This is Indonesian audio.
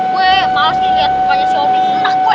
gue males liat rupanya si omis lah gue